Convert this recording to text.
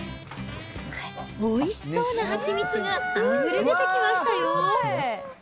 おいしそうな蜂蜜があふれ出てきましたよ。